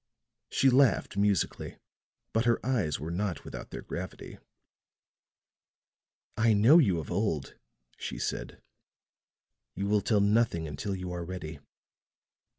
She laughed musically; but her eyes were not without their gravity. "I know you of old," she said; "you will tell nothing until you are ready.